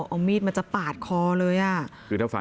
เอามีดมันก็จะปาดคอเลยอ่ะ